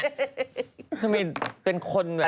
คือมีเป็นคนแบบ